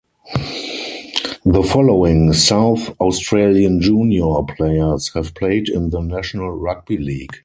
The following South Australian junior players have played in the National Rugby League.